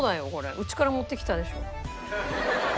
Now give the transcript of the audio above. うちから持ってきたでしょ。